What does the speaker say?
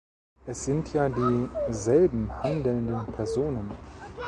Es sind ja die selben handelnden Personen.